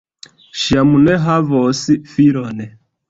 Ŝi jam ne havos filon.